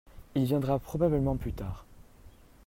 il viendra probablement plus tard.